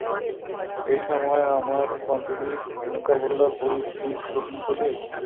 এই সময় আমার এক বান্ধবী রেণুকা বলল, বুড়ি তুই ছবি করবি?